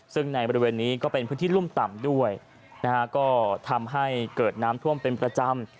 ซึ่งในบริเวณนี้ก็เป็นพื้นที่รุ่มต่ำด้วยนะฮะก็ทำให้เกิดน้ำท่วมเป็นประจำ